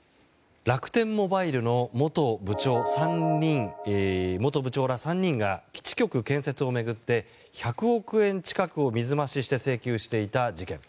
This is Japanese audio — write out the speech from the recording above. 楽天モバイルの元部長ら３人が基地局建設を巡って１００億円近くを水増しして請求していた事件。